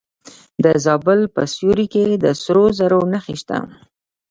د زابل په سیوري کې د سرو زرو نښې شته.